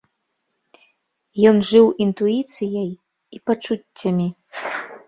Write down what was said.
Ён жыў інтуіцыяй і пачуццямі.